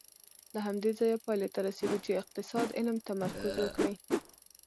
له همدې ځایه پایلې ته رسېږو چې اقتصاد علم تمرکز وکړي.